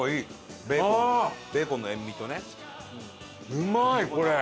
うまいこれ！